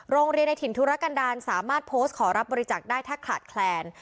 ในถิ่นธุรกันดาลสามารถโพสต์ขอรับบริจาคได้ถ้าขาดแคลน